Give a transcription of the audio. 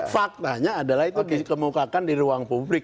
faktanya adalah itu dikemukakan di ruang publik